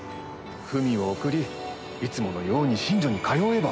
文を送りいつものように寝所に通えば。